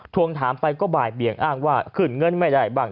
ทวงถามไปก็บ่ายเบียงอ้างว่าขึ้นเงินไม่ได้บ้าง